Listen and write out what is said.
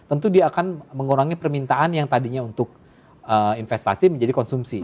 tentu dia akan mengurangi permintaan yang tadinya untuk investasi menjadi konsumsi